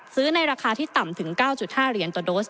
ในราคาที่ต่ำถึง๙๕เหรียญต่อโดส